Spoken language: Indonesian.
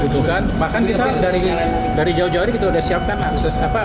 bahkan kita dari jauh jauh hari kita sudah siapkan akses